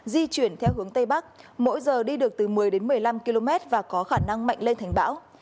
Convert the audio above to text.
di chuyển theo hướng tây bắc mỗi giờ đi được từ một mươi đến một mươi năm km và có khả năng mạnh lên thành bão